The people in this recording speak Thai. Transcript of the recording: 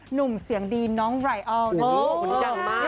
หนุ่มเสียงดีน้องไหล่อ้าว